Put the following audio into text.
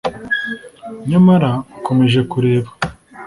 nyamara ukomeje kureba